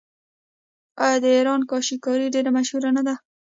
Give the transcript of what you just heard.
آیا د ایران کاشي کاري ډیره مشهوره نه ده؟